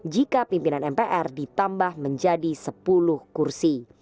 jika pimpinan mpr ditambah menjadi sepuluh kursi